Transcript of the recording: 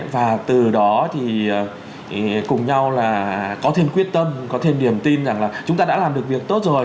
và từ đó thì cùng nhau là có thêm quyết tâm có thêm niềm tin rằng là chúng ta đã làm được việc tốt rồi